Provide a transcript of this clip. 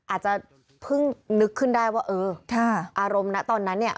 อาจจะเพิ่งนึกขึ้นได้ว่าเอออารมณ์นะตอนนั้นเนี่ย